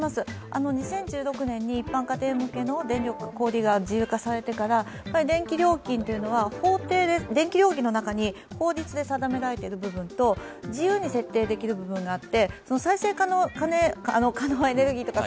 ２０１６年に一般家庭向けの小売りができてから電気料金というのは法定で電気料金の中に法律で定められている部分と自由に設定できる部分があって再生可能エネルギーとか、